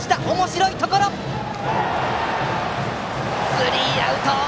スリーアウト！